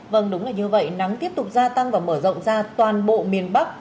vâng đúng là như vậy nắng tiếp tục gia tăng và mở rộng ra toàn bộ miền bắc